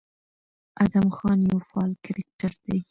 ادم خان يو فعال کرکټر دى،